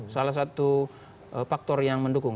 salah satu faktor yang mendukung